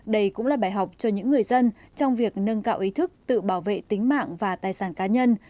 đây cũng là bài học cho những người dân trong việc nâng cao ý thức tự bảo vệ tính mạng và tài sản cá nhân